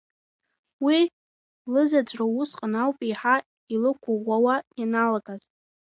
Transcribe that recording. Уи лызаҵәра усҟан ауп еиҳа илықәыӷәӷәауа ианалагаз.